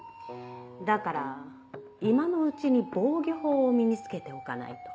だから今のうちに防御法を身に付けておかないと。